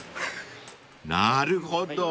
［なるほど。